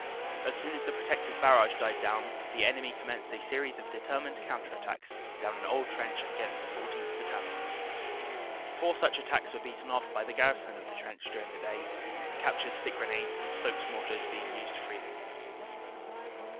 As soon as the pro tective barrage died down the enemy commenced a series of determined counter attacks down an old trench against the 14th. Battalion. Four such attacks were beaten off by the gar rison of the trench during the day, captured stick grenades and Stokes mortars being used freely.